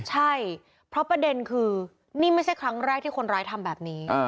ใช่เพราะประเด็นคือนี่ไม่ใช่ครั้งแรกที่คนร้ายทำแบบนี้